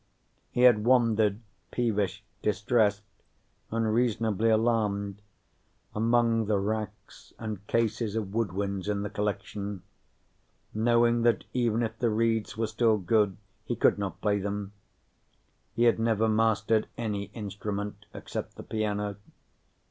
He had wandered, peevish, distressed, unreasonably alarmed, among the racks and cases of woodwinds in the collection, knowing that even if the reeds were still good, he could not play them. He had never mastered any instrument except the piano.